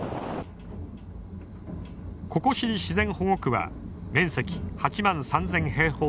ココシリ自然保護区は面積８万３，０００。